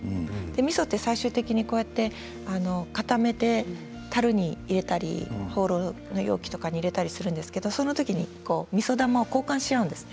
みそは最終的にかためてたるに入れたりホーローの容器に入れたりするんですけれどその時にみそ玉を交換し合うんです。